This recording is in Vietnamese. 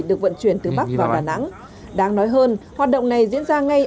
được vận chuyển từ bắc vào đà nẵng đáng nói hơn hoạt động này diễn ra ngay